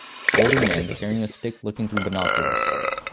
Older man carrying a stick looking through binoculars